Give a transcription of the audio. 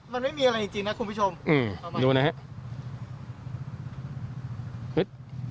มันไม่มีอะไรจริงนะคุณผู้ชมดูนะครับ